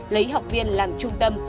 lấy học viên làm trung tâm